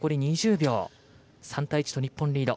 ３対１と日本リード。